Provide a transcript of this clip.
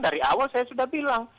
dari awal saya sudah bilang